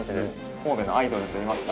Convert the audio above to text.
神戸のアイドルといいますか。